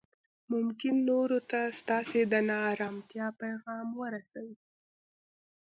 ممکن نورو ته ستاسې د نا ارامتیا پیغام ورسوي